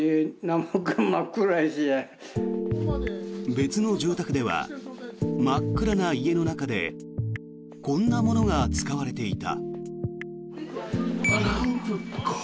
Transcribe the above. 別の住宅では真っ暗な家の中でこんなものが使われていた。